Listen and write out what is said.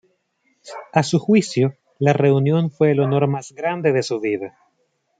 A su juicio, la reunión fue el honor más grande de su vida.